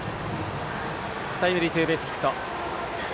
タイムリーツーベースヒット。